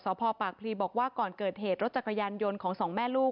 พ่อปากพลีบอกว่าก่อนเกิดเหตุรถจักรยานยนต์ของสองแม่ลูก